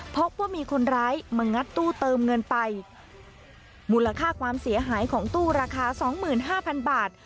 พบว่ามีคนร้ายมางัดตู้เติมเงินไปมูลค่าความเสียหายของตู้ราคาสองหมื่นห้าพันบาท